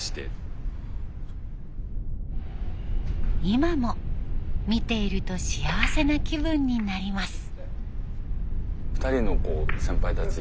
今も見ていると幸せな気分になります。